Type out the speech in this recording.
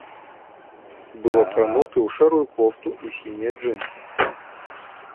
Быў апрануты ў шэрую кофту і сінія джынсы.